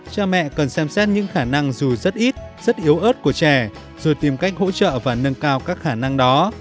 cha mẹ cần xem xét những khả năng dù rất ít rất yếu ớt của trẻ rồi tìm cách hỗ trợ và nâng cao các khả năng đó